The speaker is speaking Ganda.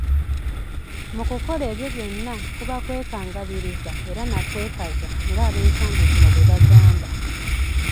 Mu kukola ebyo byonna, kuba kwekangabiriza era nakwekaza nga ab'ensangi zino bwe bagamba .